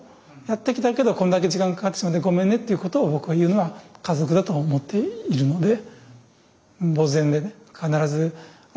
やってきたけどこんだけ時間がかかってしまってごめんねっていうことを僕は言うのは家族だと思っているので。